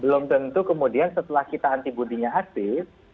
belum tentu kemudian setelah kita antibody nya aktif